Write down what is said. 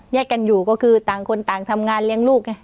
กันอยู่ก็คือต่างคนต่างทำงานเลี้ยงลูกไง